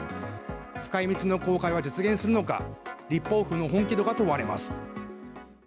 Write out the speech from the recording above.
使い道の公開は実現するのか立法府の本気度が問われます。